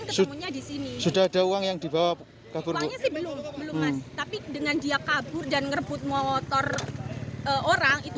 semuanya disini sudah ada uang yang dibawa kabur tapi dengan dia kabur dan ngerebut motor orang itu